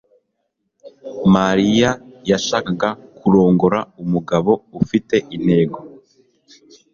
Mariya yashakaga kurongora umugabo ufite intego.